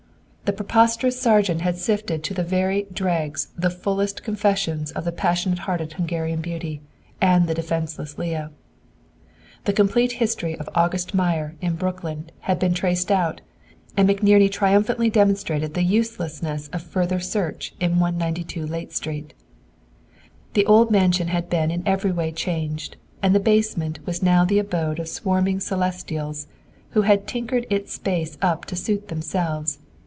The prosperous sergeant had sifted to the very dregs the fullest confessions of the passionate hearted Hungarian beauty, and the defenceless Leah. The complete history of "August Meyer" in Brooklyn had been traced out, and McNerney triumphantly demonstrated the uselessness of further search in No. 192 Layte Street. The old mansion had been in every way changed, and the basement was now the abode of swarming Celestials, who had tinkered its space up to suit themselves.